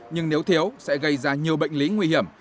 nhưng nếu thiếu sẽ gây ra nhiều bệnh lý nguy hiểm